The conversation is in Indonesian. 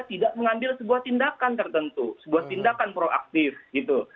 tidak mengambil sebuah tindakan tertentu sebuah tindakan proaktif gitu